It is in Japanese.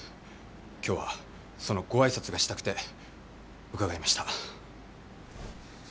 今日はそのご挨拶がしたくて伺いました。